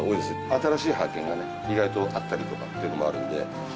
新しい発見がね、意外とあったりとかっていうのもあるんで。